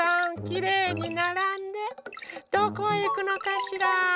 きれいにならんでどこへいくのかしら？